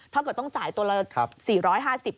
ถ้าเกิดต้องจ่ายตัวละ๔๕๐บาท